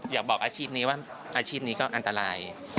อยากบอกอาชีพนี้ว่าอาชีพนี้ก็อันตราย